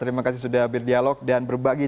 terima kasih sudah ambil dialog dan berbagi